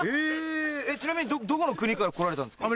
ちなみにどこの国から来られたんですか？